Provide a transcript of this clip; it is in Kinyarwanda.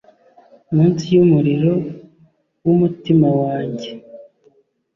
Munsi yumuriro wumutima wanjye